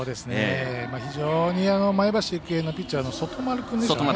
非常に前橋育英のピッチャーですかね。